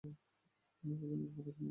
আপনি এ পর্যন্ত কি পদক্ষেপ নিয়েছেন?